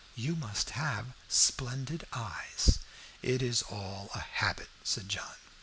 You must have splendid eyes." "It is all a habit," said John.